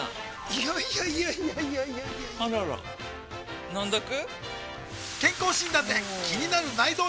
いやいやいやいやあらら飲んどく？